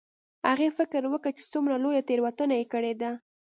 هغې فکر وکړ چې څومره لویه تیروتنه یې کړې ده